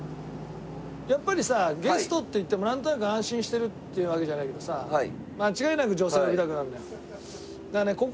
やっぱりさゲストっていってもなんとなく安心してるっていうわけじゃないけどさ間違いなく女性を呼びたくなるんだよ。